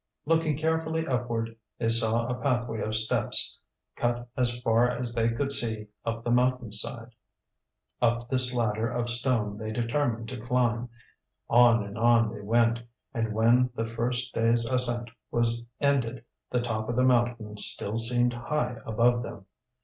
Looking carefully upward, they saw a pathway of steps cut as far as they could see up the mountain side. Up this ladder of stone they determined to climb. On and on they went, and when the first day's ascent was ended the top of the mountain still seemed high above them.